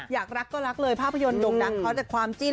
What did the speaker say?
อยากรักก็รักเลยภาพยนต์ดุกดักข้อเจ็ดความจี้แล้ว